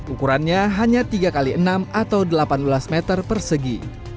ukurannya hanya tiga x enam atau delapan belas meter persegi